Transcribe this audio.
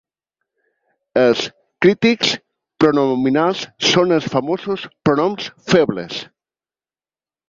Els clítics pronominals són els famosos pronoms febles.